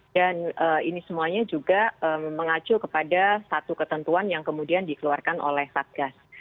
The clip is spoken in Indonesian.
ini semuanya juga mengacu kepada satu ketentuan yang kemudian dikeluarkan oleh satgas